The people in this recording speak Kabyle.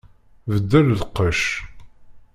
Beddel lqecc!